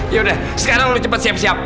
ya udah sekarang lo cepet siap siap